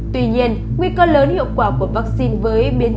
tuy nhiên nguy cơ lớn hiệu quả của vaccine này là các loại vaccine này